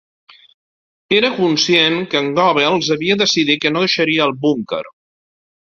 Era conscient que el Goebbels havia decidit que no deixaria el búnquer.